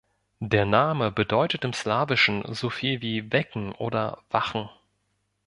Der Name bedeutet im Slawischen so viel wie "wecken" oder "wachen".